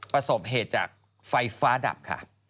ประสบเหตุจากไฟฟ้าดับค่ะ